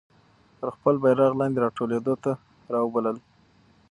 تر خپل بیرغ لاندي را ټولېدلو ته را وبلل.